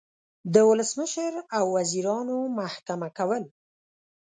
د ولسمشر او وزیرانو محکمه کول